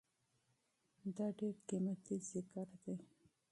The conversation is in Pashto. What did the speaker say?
دا ډير قيمتي ذکر دی